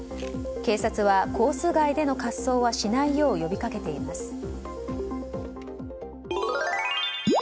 警察はコース外での滑走はしないよう呼びかけています。